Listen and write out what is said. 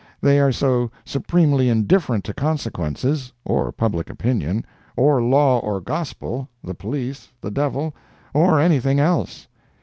They are so supremely indifferent to consequences—or public opinion—or law, or gospel, the police, the devil, or anything else!